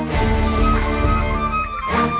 para tahanan utama